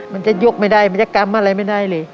มันจะยกไม่ได้มันจะกำอะไรไม่ได้เลย